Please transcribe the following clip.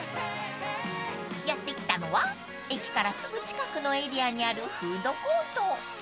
［やって来たのは駅からすぐ近くのエリアにあるフードコート］